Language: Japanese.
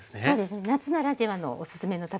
夏ならではのおすすめの食べ方です。